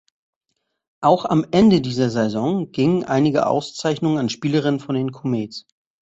Auch am Ende dieser Saison gingen einige Auszeichnungen an Spielerinnen von den Comets.